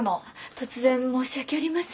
突然申し訳ありません。